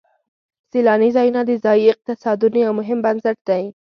سیلاني ځایونه د ځایي اقتصادونو یو مهم بنسټ دی.